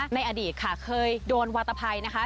ในอดีตค่ะเคยโดนวาตภัยนะคะ